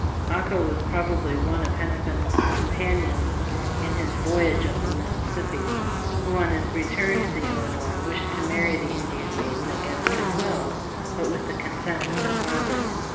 Ako was probably one of Hennepin's companions in his voyage up the Mississippi, who on his return to the Illi nois wished to marry the Indian maiden against her will but with the consent of her father.